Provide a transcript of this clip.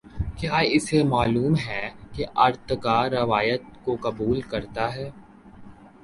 کیا اسے معلوم ہے کہ ارتقا روایت کو قبول کرتا ہے۔